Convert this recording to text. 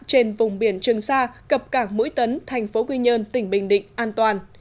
trên vùng biển trường sa cập cảng mũi tấn thành phố quy nhơn tỉnh bình định an toàn